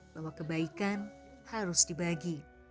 bahwa kebaikan harus dibagi